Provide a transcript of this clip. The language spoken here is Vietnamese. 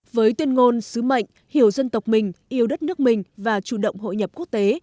với tuyên ngôn sứ mệnh hiểu dân tộc mình yêu đất nước mình và chủ động hội nhập quốc tế